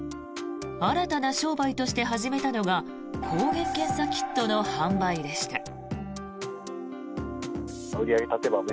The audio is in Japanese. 新たな商売として始めたのが抗原検査キットの販売でした。